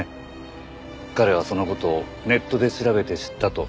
彼はその事をネットで調べて知ったと言ってました。